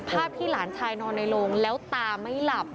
ภาพที่หลานชายนอนในโรงแล้วตาไม่หลับ